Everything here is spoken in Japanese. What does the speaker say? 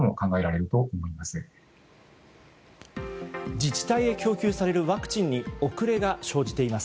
自治体へ供給されるワクチンに遅れが生じています。